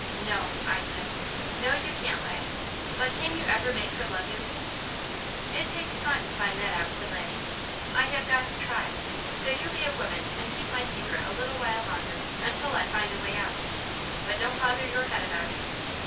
"No," I said. "No, you can't, Laddie. But can you ever make her love you?" "It takes time to find that out," said Laddie. "I have got to try; so you be a woman and keep my secret a little while longer, until I find a way out, but don't bother your head about it!"